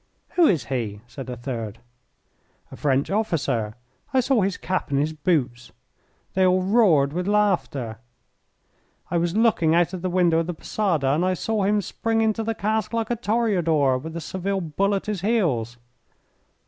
"Who is he?" said a third. "A French officer; I saw his cap and his boots." They all roared with laughter. "I was looking out of the window of the posada and I saw him spring into the cask like a toreador with a Seville bull at his heels."